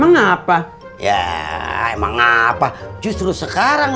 emang apa ya emang apa justru sekarang emang apa emang apa justru sekarang